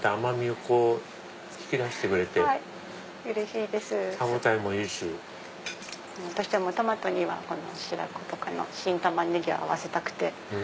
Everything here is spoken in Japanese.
どうしてもトマトには白子の新玉ネギを合わせたくて。